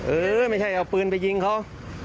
เออไม่ใช่เอาปืนไปยิงเขา